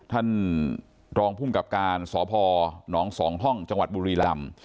ท่านรองภูมิกับการสพหนอง๒ห้องจังหวัดบุรีลำ